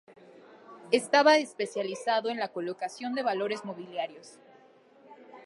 Estaba especializado en la colocación de valores mobiliarios.